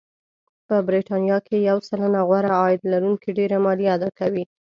په بریتانیا کې یو سلنه غوره عاید لرونکي ډېره مالیه اداکوي